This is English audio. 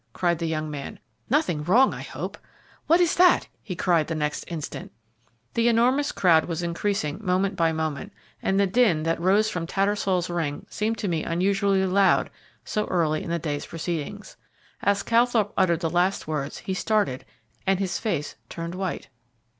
cried the young man. "Nothing wrong, I hope. What is that?" he cried the next instant. The enormous crowd was increasing moment by moment, and the din that rose from Tattersall's ring seemed to me unusually loud so early in the day's proceedings. As Calthorpe uttered the last words he started and his face turned white.